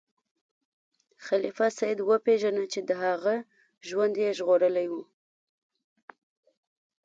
خلیفه سید وپیژنده چې د هغه ژوند یې ژغورلی و.